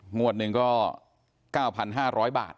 งวดหนึ่งก็๙๕๐๐บาท